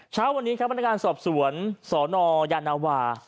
เช้าวันนี้ครับพนักงานสอบสวนสนยานาวา